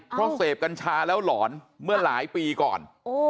เพราะเสพกัญชาแล้วหลอนเมื่อหลายปีก่อน